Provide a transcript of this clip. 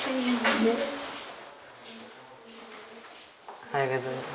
おはようございます。